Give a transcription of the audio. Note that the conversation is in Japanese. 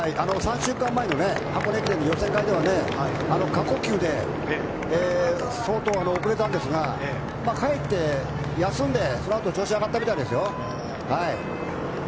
３週間前の箱根駅伝の予選会では過呼吸で相当、遅れたんですがかえって、休んでそのあと調子が上がったみたいですよ。